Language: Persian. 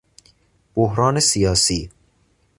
بحران سیاسی